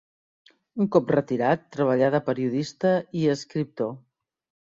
Un cop retirat treballà de periodista i escriptor.